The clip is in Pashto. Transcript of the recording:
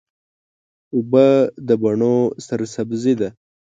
اوبه د بڼو سرسبزي ده.